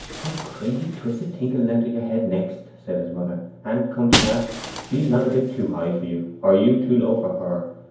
'What crazy twist o' thinking will enter your head next?' said his mother. 'And come to that, she's not a bit too high for you, or you too low for her.